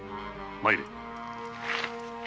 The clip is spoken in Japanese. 参れ。